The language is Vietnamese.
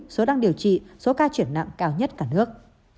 số đang điều trị số ca chuyển nặng cao nhất cả nước